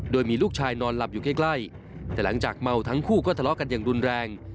โดยมีลูกชายนอนหลับอยู่ใกล้แต่หลังจากเมาทั้งคู่ก็ทะเลาะกันอย่างรุนแรง